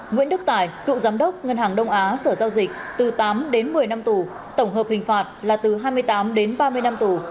nguyễn đức tài cựu giám đốc ngân hàng đông á sở giao dịch từ tám đến một mươi năm tù tổng hợp hình phạt là từ hai mươi tám đến ba mươi năm tù